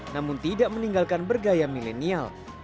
namun tidak meninggalkan bergaya milenial